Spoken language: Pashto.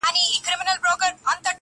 حقيقت د وخت قرباني کيږي تل